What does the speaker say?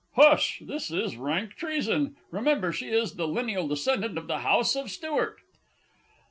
Hush this is rank treason! Remember she is the lineal descendant of the House of Stuart!